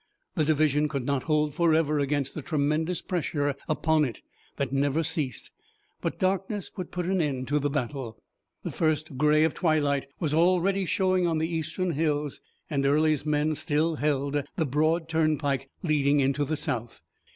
The division could not hold forever against the tremendous pressure upon it that never ceased, but darkness would put an end to the battle. The first gray of twilight was already showing on the eastern hills, and Early's men still held the broad turnpike leading into the South.